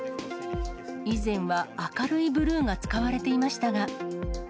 以前は明るいブルーが使われていましたが。